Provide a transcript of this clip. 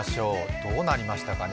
どうなりましたかね？